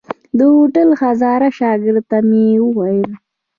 د هوټل هزاره شاګرد ته مې وويل.